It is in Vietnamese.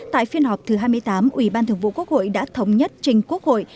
tại phiên họp thứ hai mươi tám ủy ban thường vụ quốc hội đã thống nhất trình quốc hội